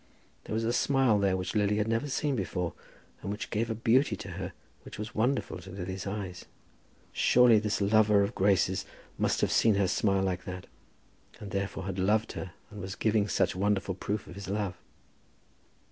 There was a smile there which Lily had never seen before, and which gave a beauty to her which was wonderful to Lily's eyes. Surely this lover of Grace's must have seen her smile like that, and therefore had loved her and was giving such wonderful proof of his love.